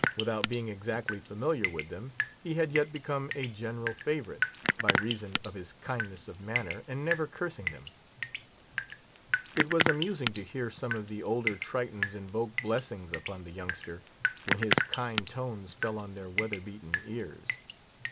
Without being exactly familiar with them, he had yet become a general favourite, by reason of his kindness of manner, and never cursing them. It was amusing to hear some of the older Tritons invoke blessings upon the youngster, when his kind tones fell on their weather beaten ears.